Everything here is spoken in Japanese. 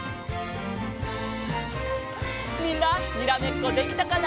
みんなにらめっこできたかな？